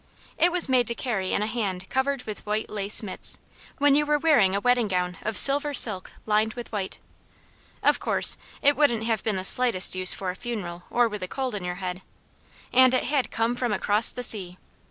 It was made to carry in a hand covered with white lace mitts, when you were wearing a wedding gown of silver silk, lined with white. Of course it wouldn't have been the slightest use for a funeral or with a cold in your head. And it had come from across the sea!